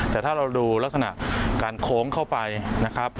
แต่ถ้าเราดูลักษณะการโค้งเข้าไปนะครับ